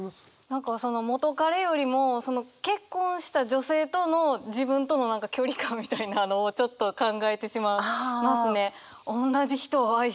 何かその元カレよりも結婚した女性との自分との距離感みたいなのをちょっと考えてしまいますね。